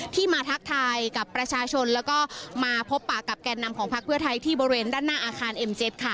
มาทักทายกับประชาชนแล้วก็มาพบปากกับแก่นนำของพักเพื่อไทยที่บริเวณด้านหน้าอาคารเอ็มเจฟค่ะ